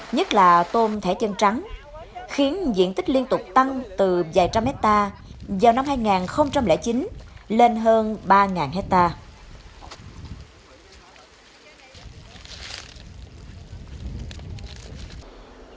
nhất là tôm thẻ chân trắng khiến diện tích liên tục tăng từ vài trăm hectare vào năm hai nghìn chín lên hơn ba hectare